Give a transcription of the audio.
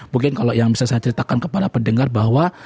mungkin kalau yang bisa saya ceritakan kepada pendengar bahwa